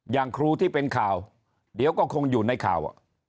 อย่างครูที่เป็นข่าวเดี๋ยวก็คงอยู่ในข่าว